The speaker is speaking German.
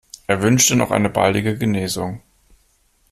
Er wünschte noch eine baldige Genesung.